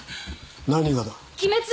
何がだ？